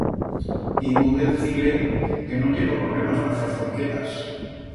Tiengo que decir-le que no tiengo problemas pa fer foriquetas.